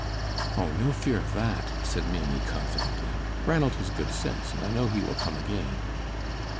"Oh, no fear of that," said Maimie, confidently; "Ranald has good sense, and I know he will come again."